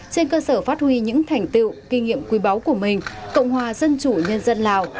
trên cơ sở phát huy những thành tựu kinh nghiệm quý báu của mình cộng hòa dân chủ nhân dân lào